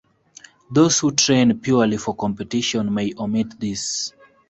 Those who train purely for competition may omit this.